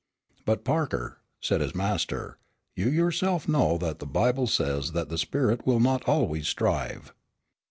"But Parker," said his master, "you yourself know that the Bible says that the spirit will not always strive."